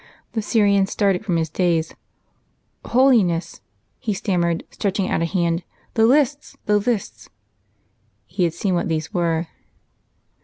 The Syrian started from his daze. "Holiness," he stammered, stretching out a hand, "the lists, the lists!" (He had seen what these were.)